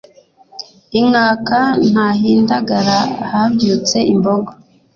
Inkaka ntahindagara habyutse imbogo